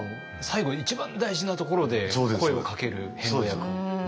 最後一番大事なところで声をかける遍路役。